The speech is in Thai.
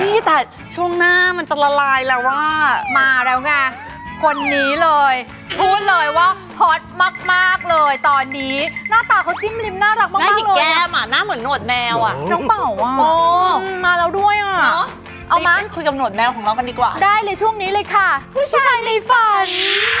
แมวอะน้องเป่าอะมาแล้วด้วยอะเอามาพี่ไปคุยกับหนวดแมวของเรากันดีกว่าได้เลยช่วงนี้เลยค่ะผู้ชายมีฝัน